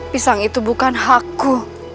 pisang itu bukan hakku